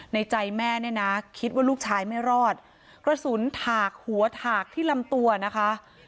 ในใจแม่เนี่ยนะคิดว่าลูกชายไม่รอดกระสุนถากหัวถากที่ลำตัวนะคะ